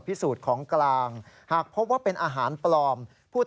และอาจจะมีบางรายเข้าขายช่อกงประชาชนเพิ่มมาด้วย